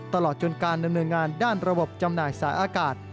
ตลอดจนการดำเนินงานด้านระบบจำหน่ายสายอากาศ